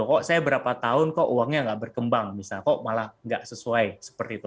kok saya berapa tahun kok uangnya nggak berkembang misalnya kok malah nggak sesuai seperti itu